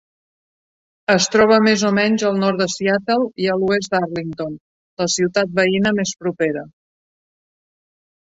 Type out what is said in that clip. Es troba més o menys al nord de Seattle i a l'oest d'Arlington, la ciutat veïna més propera.